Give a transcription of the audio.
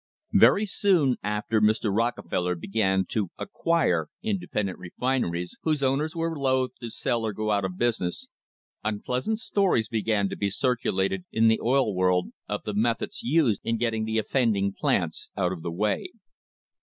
VERY soon after Mr. Rockefeller began to "acquire" independent refineries, whose owners were loath to sell or go out of business, unpleasant stones began to be circulated in the oil world of the methods used in getting the offending plants out of the way.